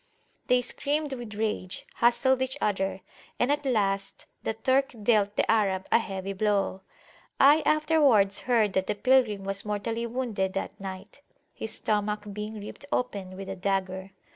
They screamed with rage, hustled each other, and at last the Turk dealt the Arab a heavy blow. I afterwards heard that the pilgrim was mortally wounded that night, his stomach being ripped [p.128] open with a dagger.